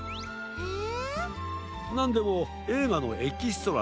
へえ！